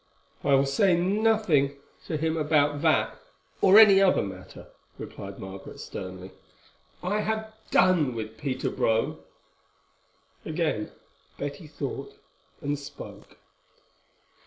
"I will say nothing to him about that or any other matter," replied Margaret sternly. "I have done with Peter Brome." Again Betty thought, and spoke.